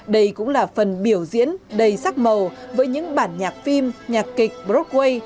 đây cũng là phần biểu diễn đầy sắc màu với những bản nhạc phim nhạc kịch broadway